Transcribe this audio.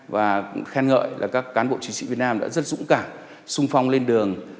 và khen ngợi là các cán bộ chiến sĩ việt nam đã rất dũng cảm sung phong lên đường